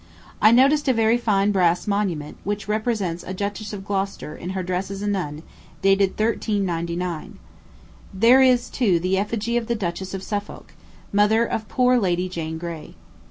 I noticed a very fine brass monument, which represents a Duchess of Gloucester in her dress as a nun, dated 1399. There is, too, the effigy of the Duchess of Suffolk, mother of poor Lady Jane Grey.